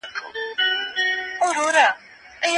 تاریخ زده کړه.